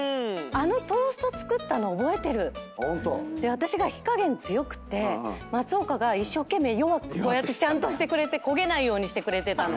私が火加減強くて松岡が一生懸命弱くこうやってちゃんとしてくれて焦げないようにしてくれてたの。